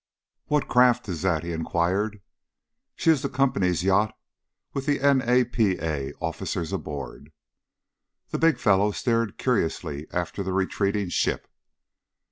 "What craft is that?" he inquired. "She is the Company's yacht with the N. A. P. A. officers aboard." The big fellow stared curiously after the retreating ship.